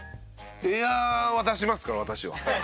エアーは出しますから私は。